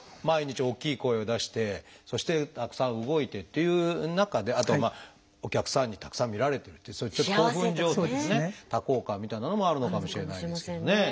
毎日大きい声を出してそしてたくさん動いてっていう中であとはお客さんにたくさん見られてるっていうそういうちょっと興奮状態もね多幸感みたいなのもあるのかもしれないですけどね。